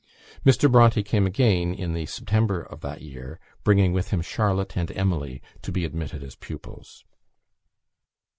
Mr. Bronte came again, in the September of that year, bringing with him Charlotte and Emily to be admitted as pupils.